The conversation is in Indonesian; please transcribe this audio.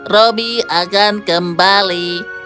robby akan kembali